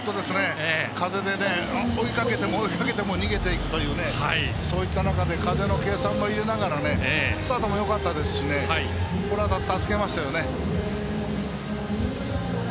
風で追いかけても追いかけても逃げていくというねそういった中で風の計算も入れながらスタートもよかったですしこのあとを助けましたよね。